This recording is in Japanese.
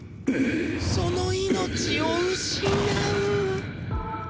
その命を失う。